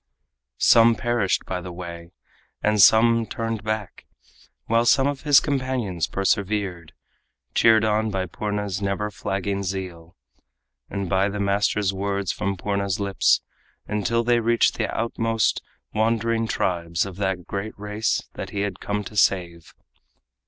Some perished by the way, and some turned back, While some of his companions persevered, Cheered on by Purna's never flagging zeal, And by the master's words from Purna's lips, Until they reached the outmost wandering tribes Of that great race that he had come to save.